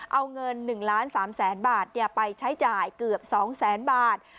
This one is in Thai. เอาเงิน๑๓๐๐๐๐๐บาทไปใช้จ่ายเกือบ๒๐๐๐๐๐บาท